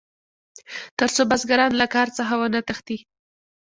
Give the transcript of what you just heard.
تر څو بزګران له کار څخه ونه تښتي.